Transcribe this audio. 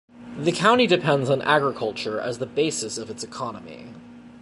The county depends on agriculture as the basis of its economy.